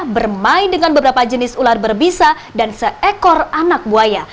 bermain dengan beberapa jenis ular berbisa dan seekor anak buaya